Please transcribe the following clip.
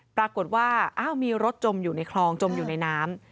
ปรากฏว่าอ้าวมีรถจมอยู่ในคลองจมอยู่ในน้ำ